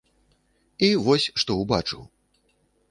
І вось што ўбачыў.